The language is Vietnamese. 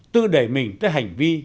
tựa đẩy mình tới hành vi